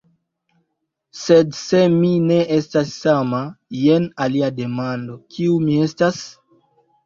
Sed se mi ne estas sama, jen alia demando; kiu mi estas?